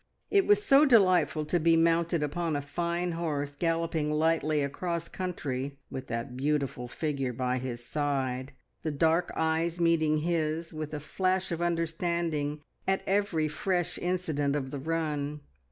It was so delightful to be mounted upon a fine horse galloping lightly across country with that beautiful figure by his side, the dark eyes meeting his with a flash of understanding at every fresh incident of the run.